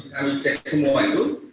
kami cek semua itu